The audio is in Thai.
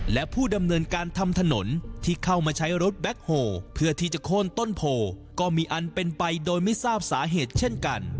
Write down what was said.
และผู้ดำเนินการทำถนนที่เข้ามาใช้รถแบ็คโฮเพื่อที่จะโค้นต้นโพก็มีอันเป็นไปโดยไม่ทราบสาเหตุเช่นกัน